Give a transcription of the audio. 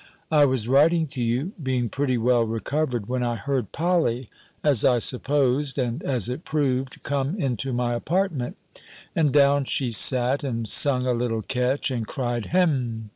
I was writing to you, being pretty well recovered, when I heard Polly, as I supposed, and as it proved, come into my apartment: and down she sat, and sung a little catch, and cried, "Hem!"